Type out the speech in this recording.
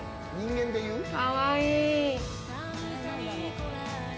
かわいい。